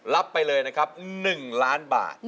รับไปเลยนะครับ๑ล้านบาท